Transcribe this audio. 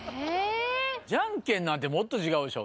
じゃんけんなんてもっと違うでしょうね。